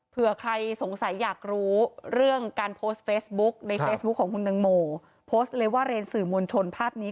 เผื่อใครสงสัยอยากรู้เรื่องการโพสต์เฟซบุ๊กในเฟซบุ๊คของคุณตังโมโพสต์เลยว่าเรียนสื่อมวลชนภาพนี้